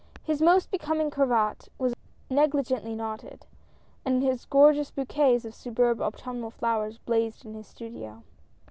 His most becoming cravat was negligently knotted, and gorgeous bouquets of superb autumnal flowers blazed in his studio.